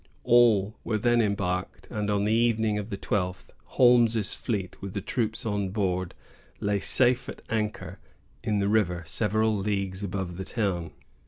All were then embarked; and on the evening of the twelfth, Holmes's fleet, with the troops on board, lay safe at anchor in the river, several leagues above the town.